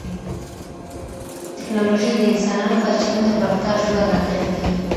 ټکنالوژي د انسانانو پر چلند او رفتار ژوره اغېزه کوي.